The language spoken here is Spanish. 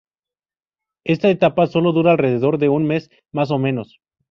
Esta etapa sólo dura alrededor de un mes más o menos.